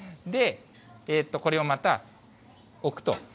これをまた置くと。